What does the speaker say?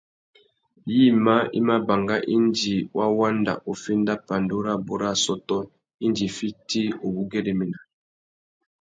Yïmá i mà banga indi wa wanda uffénda pandú rabú râ assôtô indi i fiti uwú güérémena.